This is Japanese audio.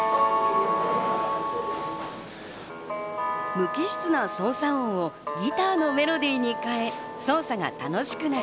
無機質な操作音をギターのメロディーに変え、操作が楽しくなる。